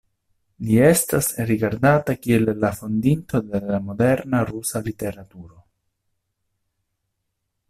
Li estas rigardata kiel la fondinto de la moderna rusa literaturo.